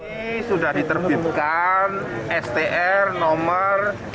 ini sudah diterbitkan str nomor seribu dua ratus sembilan belas